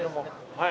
はい。